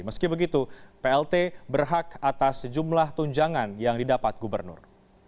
meski begitu plt berhak atas sejumlah tunjangan yang didapat gubernur